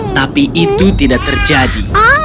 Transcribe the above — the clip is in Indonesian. tapi itu tidak terjadi